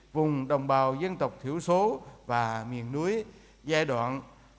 vùng đồng bào dân tộc thiểu số và miền núi giai đoạn hai nghìn một mươi sáu hai nghìn ba mươi